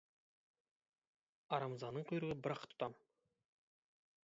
Арамзаның құйрығы бір-ақ тұтам.